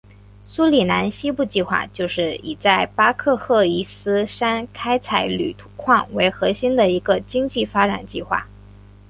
苏里南西部计划就是以在巴克赫伊斯山开采铝土矿为核心的一个经济发展计划。